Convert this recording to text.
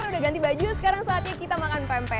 sudah ganti baju sekarang saatnya kita makan pempe